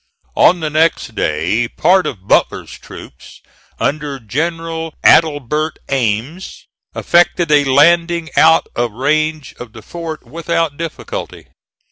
On the next day part of Butler's troops under General Adelbert Ames effected a landing out of range of the fort without difficulty.